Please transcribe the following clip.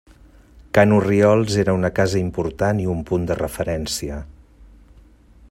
Ca n'Orriols era una casa important i un punt de referència.